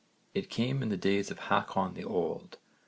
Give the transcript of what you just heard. It came in the days of Hákon the Old.